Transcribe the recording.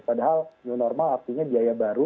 padahal new normal artinya biaya baru